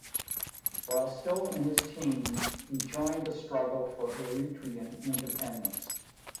While still in his teens he joined the struggle for Eritrean independence.